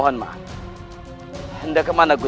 hormat hamba ratu sekarwangi